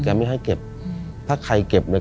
ไม่ให้เก็บถ้าใครเก็บเลย